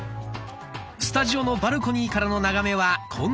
スタジオのバルコニーからの眺めはこんな感じ。